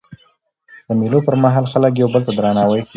د مېلو پر مهال خلک یو بل ته درناوی ښيي.